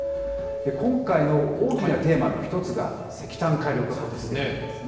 今回の大きなテーマの一つが石炭火力発電ですね。